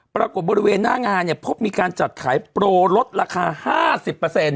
ปรากฏบริเวณหน้างานเนี่ยพบมีการจัดขายโปรลลดราคาห้าสิบเปอร์เซ็นต์